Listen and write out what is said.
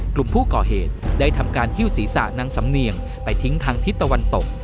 กลุ่มผู้ก่อเหตุได้ทำการหิ้วศีรษะนางสำเนียงไปทิ้งทางทิศตะวันตก